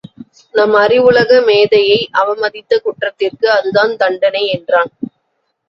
நம் அறிவுலக மேதையை அவமதித்த குற்றத்திற்கு அதுதான் தண்டணை என்றான்.